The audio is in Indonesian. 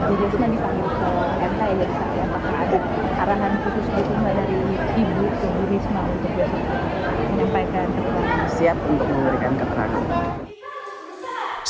jadi menempatkan siap untuk memberikan keterangan